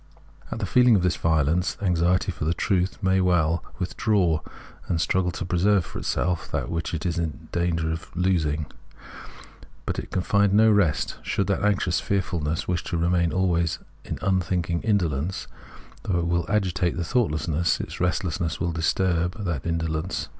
At the feeling of this violence, anxiety for the truth may well with draw, and struggle to preserve for itself that which is in danger of being lost. But it can find no rest. Should that anxious fearfulness wish to remain always in unthinking indolence, thought will agitate the thoughtlessness, its restlessness will disturb that in dolence.